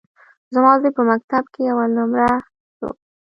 زما زوى په مکتب کښي اول نؤمره سو.